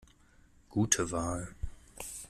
Gute Wahl!